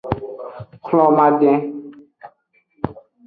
Hlomadin.